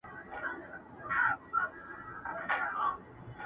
زه غریب د جانان میني له پخوا وژلی ومه!.